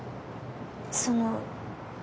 その。